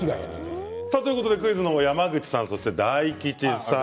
クイズは山口さんそして大吉さん